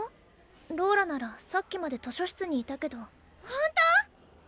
ローラならさっきまで図書室にいたけどほんと⁉